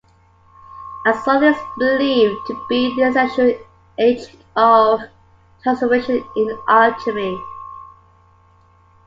Azoth is believed to be the essential agent of transformation in alchemy.